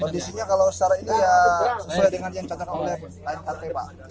kondisinya kalau secara ini ya sesuai dengan yang dicatat oleh lion kartre pak